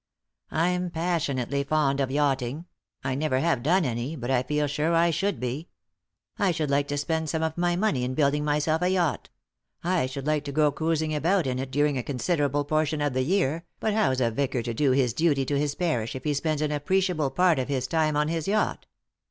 I'm passionately fond of yachting; I never have done any, but I feel sure I should be. I should like to spend some of my money in building myself a yacht ; I should like to go cruising about in it during a considerable portion of the year, but how's a vicar to do his duty to his parish if he spends an appreciable part of his time on his yacht